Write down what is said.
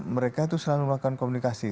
mereka itu selalu melakukan komunikasi